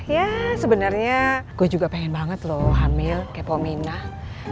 ya sebenarnya gue juga pengen banget loh hamil kepominah